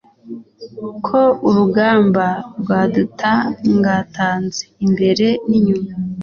ko urugamba rwadutangatanze, imbere n'inyuma